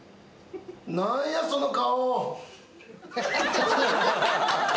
何やその顔。